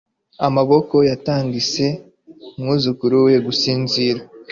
amaboko yatigise umwuzukuru we gusinzira